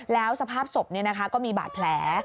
แล้วสภาพศพก็มีบาดแผล